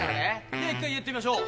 じゃ１回やってみましょう。